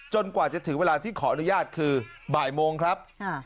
กว่าจะถึงเวลาที่ขออนุญาตคือบ่ายโมงครับ